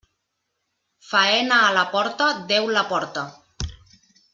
Faena a la porta, Déu la porta.